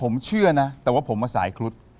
ผมเชื่อนะแต่ว่าผมมาสายครุฑ